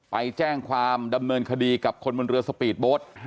ไปแจ้งความดำเนินคดีกับคนบนเรือสปีดโบสต์